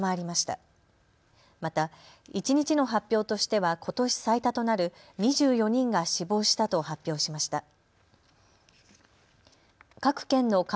また一日の発表としてはことし最多となる２４人が死亡したと発表しました。